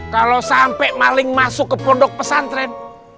kalau sampai maling masuk ke pondok pesantren